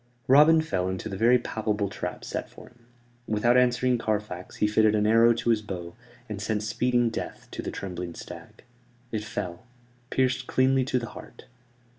Robin fell into the very palpable trap set for him. Without answering Carfax, he fitted an arrow to his bow, and sent speeding death to the trembling stag. It fell, pierced cleanly to the heart.